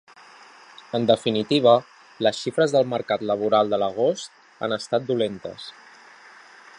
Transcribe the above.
En definitiva, les xifres del mercat laboral de l’agost han estat dolentes.